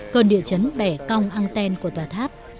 cơn địa chấn bẻ cong anten của tòa tháp